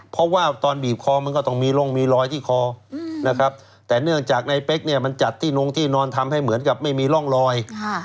เพราะว่าตอนบีบคอมันก็ต้องมีลงมีรอยที่คอนะครับแต่เนื่องจากในเป๊กเนี่ยมันจัดที่นงที่นอนทำให้เหมือนกับไม่มีร่องรอย